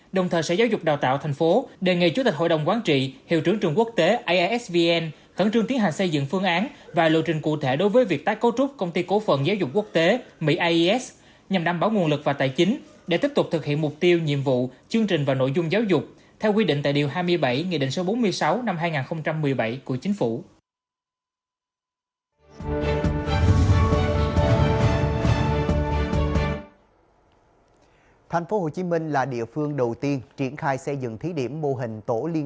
đồng thời sở giáo dục đào tạo tp hcm đề nghị chủ tịch hội đồng quán trị hiệu trưởng trường quốc tế aisbn khẩn trương tiến hành xây dựng phương án và lộ trình cụ thể đối với việc tác cấu trúc công ty cố phận giáo dục quốc tế nhằm đảm bảo nguồn lực và tài chính để tiếp tục thực hiện mục tiêu nhiệm vụ chương trình và nội dung giáo dục theo quy định tại điều hai mươi bảy nghị định số bốn mươi sáu năm hai nghìn một mươi bảy của chính phủ